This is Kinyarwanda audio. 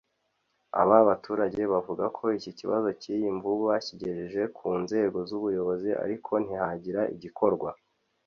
Aba baturage bavuga ko ikibazo cy’iyi mvubu bakigejeje ku nzego z’ubuyobozi ariko ntihagire igikorwa